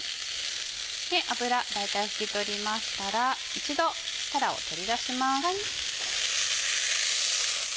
油大体拭き取りましたら一度たらを取り出します。